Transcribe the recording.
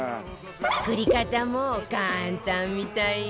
作り方も簡単みたいよ